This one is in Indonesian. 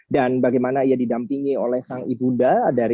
dan bagaimana ia didampingi oleh sang ibu da